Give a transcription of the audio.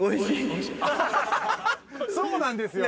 そうなんですよね。